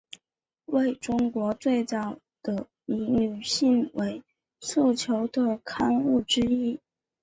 为中国最早的以女性为诉求的刊物之一。